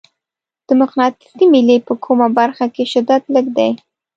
د مقناطیسي میلې په کومه برخه کې شدت لږ دی؟